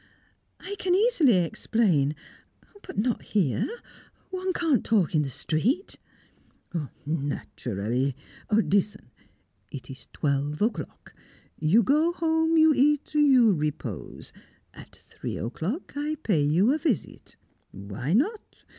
"I can easily explain. But not here one can't talk in the street " "Naturally! Listen! It is twelve o'clock. You go home; you eat: you repose. At three o'clock, I pay you a visit. Why not?